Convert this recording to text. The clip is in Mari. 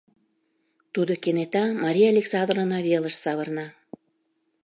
— тудо кенета Мария Александровна велыш савырна.